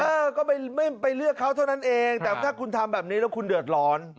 เออก็ไม่ไปเลือกเขาเท่านั้นเองแต่ถ้าคุณทำแบบนี้แล้วคุณเดือดร้อน